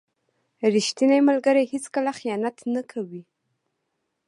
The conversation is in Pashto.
• ریښتینی ملګری هیڅکله خیانت نه کوي.